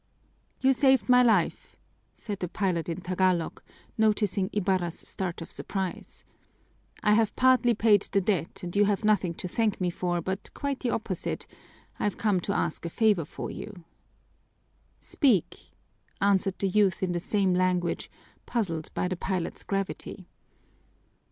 "You saved my life," said the pilot in Tagalog, noticing Ibarra's start of surprise. "I have partly paid the debt and you have nothing to thank me for, but quite the opposite. I've come to ask a favor of you." "Speak!" answered the youth in the same language, puzzled by the pilot's gravity.